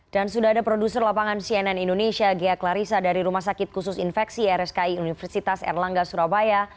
dan sudah ada produser lapangan cnn indonesia ghea klarisa dari rumah sakit khusus infeksi rski universitas erlangga surabaya